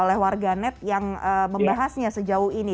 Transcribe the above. oleh warga net yang membahasnya sejauh ini